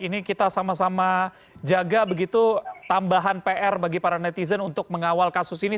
ini kita sama sama jaga begitu tambahan pr bagi para netizen untuk mengawal kasus ini